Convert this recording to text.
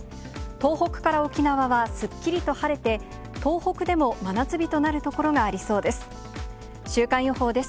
東北から沖縄はすっきりと晴れて、東北でも真夏日となる所がありそうです。